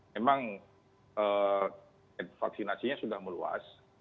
memang vaksinasinya sudah meluas